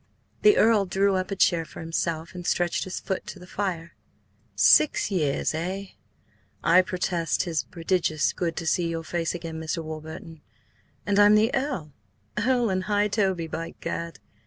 The Earl drew up a chair for himself and stretched his foot to the fire. "Six years, eh? I protest 'tis prodigious good to see your face again, Mr. Warburton. ... And I'm the Earl? Earl and High Toby, by Gad!"